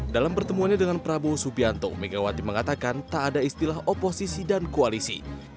dalam pertemuannya dengan prabowo subianto megawati mengatakan tak ada istilah oposisi dan koalisi